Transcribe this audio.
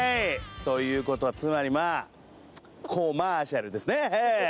という事はつまりまあコマーシャルですねええ。